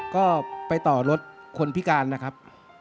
ก็ไปต่อรถคนพิการนะครับ